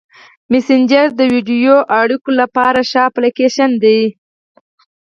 مسېنجر د ویډیويي اړیکو لپاره ښه اپلیکیشن دی.